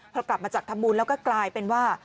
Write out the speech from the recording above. พอกลับมาจากทำบุญแล้วก็กลายเป็นว่า